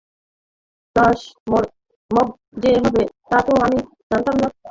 Flash mob যে হবে তা তো আমিও জানতাম না।